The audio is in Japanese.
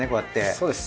そうです。